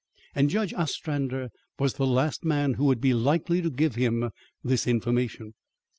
And Judge Ostrander was the last man who would be likely to give him this information.